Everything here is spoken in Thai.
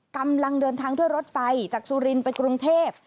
กำลังเดินทางด้วยรถไฟจากสุรินทร์ไปกรุงเทพ